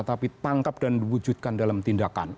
tapi tangkap dan diwujudkan dalam tindakan